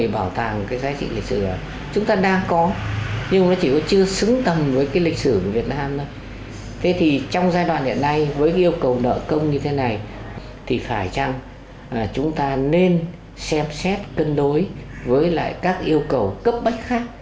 bảo tàng như thế này thì phải chăng chúng ta nên xem xét cân đối với các yêu cầu cấp bách khác